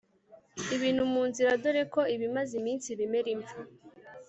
ibintu mu nzira dore ko ibimaze iminsi bimera imvi